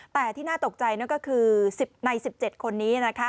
แต่ที่น่าตกใจนั่นก็คือใน๑๗คนนี้